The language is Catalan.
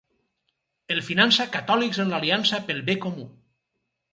El finança Catòlics en l'Aliança pel Bé Comú.